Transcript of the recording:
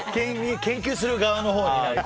研究する側のほうになりたい。